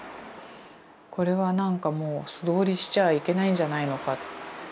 これはなんかもう素通りしちゃいけないんじゃないのか。